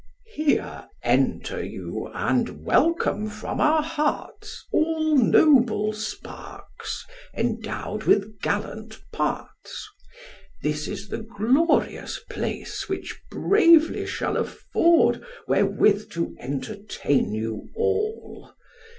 Here enter you, and welcome from our hearts, All noble sparks, endowed with gallant parts. This is the glorious place, which bravely shall Afford wherewith to entertain you all.